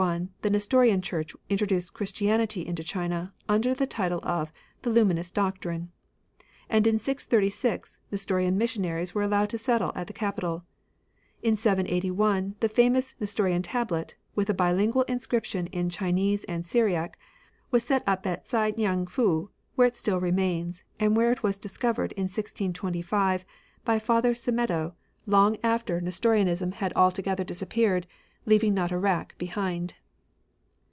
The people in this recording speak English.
631 the Nestorian Church Nestorians. introduced Christianity into China, under the title of " The Luminous Doctrine ;" and in 636 Nestorian missionaries were allowed to settle at the capital. In 781 the famous Nestorian Tablet, with a bilingual inscription in Chinee and Syriac, was set up at Si ngan Fu, where it still remains, and where it was dis covered in 1626 by Father Semedo, long after 66 BUDDHISM, ETC. N'estorianism had altogether disappeared, leav ing not a rack behmd.